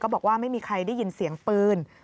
บอกว่าไม่มีใครได้ยินเสียงปืน